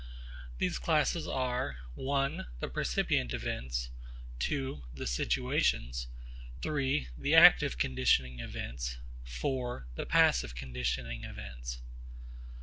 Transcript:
These classes are (i) the percipient events, (ii) the situations, (iii) the active conditioning events, (iv) the passive conditioning events.